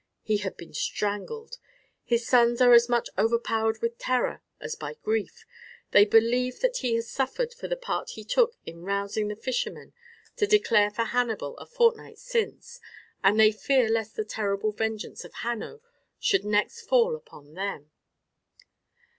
He had been strangled. His sons are as much overpowered with terror as by grief, they believe that he has suffered for the part he took in rousing the fishermen to declare for Hannibal a fortnight since, and they fear lest the terrible vengeance of Hanno should next fall upon them.